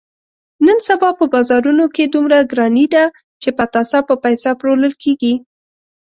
نن سبا په بازارونو کې دومره ګراني ده، چې پتاسه په پیسه پلورل کېږي.